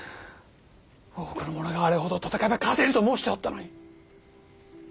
多くの者があれほど戦えば勝てると申しておったのに。